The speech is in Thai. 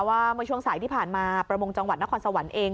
ว่าเมื่อช่วงสายที่ผ่านมาประมงจังหวัดนครสวรรค์เอง